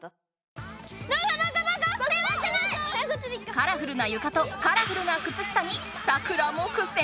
カラフルなゆかとカラフルなくつ下にサクラも苦戦！